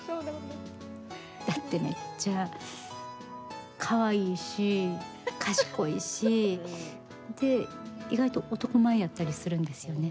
だってね、かわいいし、賢いしで、意外と男前やったりするんですよね。